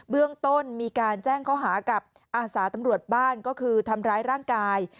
เบื้องต้นมีการแจ้งข้อหากับอาสาตำรวจบ้านก็คือทำร้ายร่างกาย